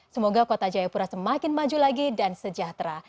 semoga kota jayapura semakin maju lagi dan sejahtera